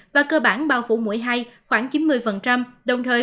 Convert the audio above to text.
và cơ bản bao phủ mũi hai khoảng chín mươi đồng thời